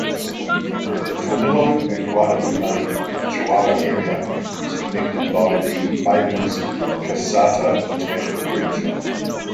The Tornillo and Guadalupe, Chihuahua, area is connected by the Fabens-Caseta International Bridge.